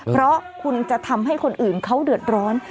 เพราะคุณจะทำให้คนอื่นเขาเดือดร้อน